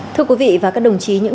thưa quý vị và các đồng chí